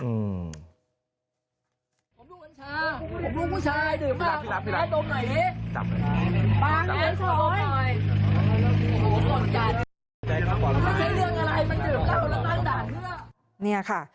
คนที่ใส่เชื้อบอกว่า